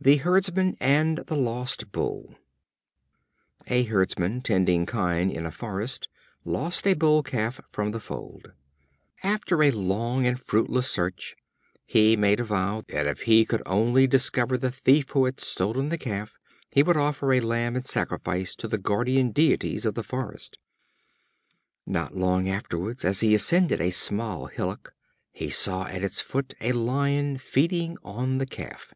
The Herdsman and the Lost Bull. A Herdsman, tending kine in a forest, lost a Bull calf from the fold. After a long and fruitless search, he made a vow that, if he could only discover the thief who had stolen the Calf he would offer a lamb in sacrifice to the Guardian Deities of the forest. Not long afterwards, as he ascended a small hillock, he saw at its foot a Lion feeding on the Calf.